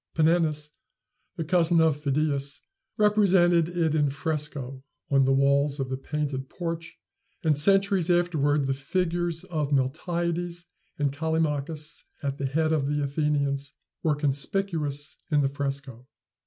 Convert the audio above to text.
Panenus, the cousin of Phidias, represented it in fresco on the walls of the painted porch; and, centuries afterward, the figures of Miltiades and Callimachus at the head of the Athenians were conspicuous in the fresco.